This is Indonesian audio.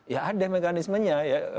ya ada mekanismenya